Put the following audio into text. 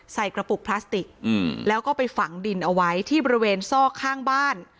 กระปุกพลาสติกแล้วก็ไปฝังดินเอาไว้ที่บริเวณซอกข้างบ้าน